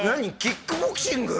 キックボクシング？